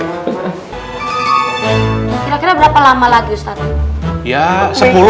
kira kira berapa lama lagi ustadz